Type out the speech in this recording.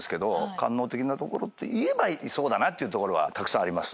官能的なところといえばそうだなってところはたくさんあります。